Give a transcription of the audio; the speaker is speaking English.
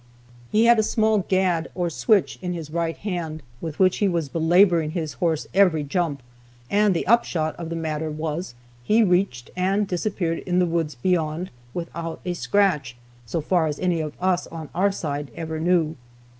He had a small gad, or switch, in his right hand, with which he was belaboring his horse every jump, and the upshot of the matter was, he reached and disappeared in the woods beyond, without a scratch, so far as any of us on our side ever knew.